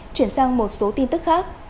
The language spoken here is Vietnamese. chuyển sang một số tin tức khác